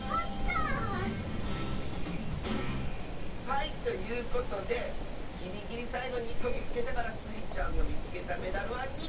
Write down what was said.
はいということでぎりぎりさいごに１こみつけたからスイちゃんがみつけたメダルは２こでした！